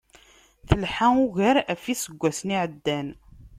Telḥa ugar ɣef yiseggasen iεeddan.